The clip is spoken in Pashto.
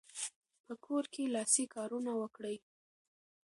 په کور کې لاسي کارونه وکړئ.